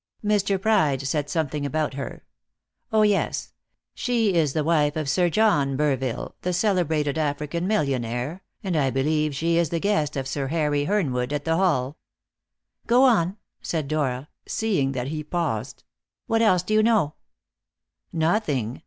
Mr. Pride said something about her. Oh yes: she is the wife of Sir John Burville, the celebrated African millionaire, and I believe she is the guest of Sir Harry Hernwood at the Hall." "Go on," said Dora, seeing that he paused; "what else do you know?" "Nothing.